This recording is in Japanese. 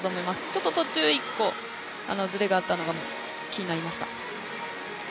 ちょっと途中１個、ズレがあったのが気になりました。